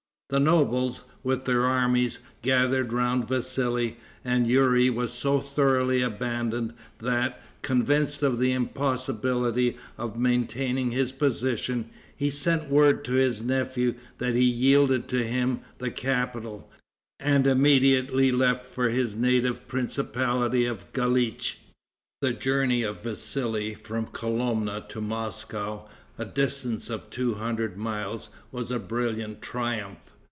The nobles, with their armies, gathered around Vassali, and Youri was so thoroughly abandoned, that, convinced of the impossibility of maintaining his position, he sent word to his nephew that he yielded to him the capital, and immediately left for his native principality of Galitch. The journey of Vassali, from Kolomna to Moscow, a distance of two hundred miles, was a brilliant triumph.